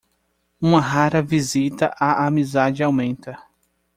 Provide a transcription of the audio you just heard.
Uma rara visita à amizade aumenta.